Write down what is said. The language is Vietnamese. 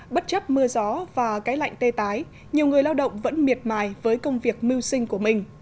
bất chấp mưa gió và cái lạnh tê tái nhiều người lao động vẫn miệt mài với công việc mưu sinh của mình